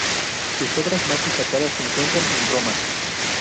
Sus obras más destacadas se encuentran en Roma.